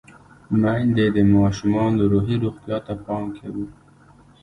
میندې د ماشومانو روحي روغتیا ته پام کوي۔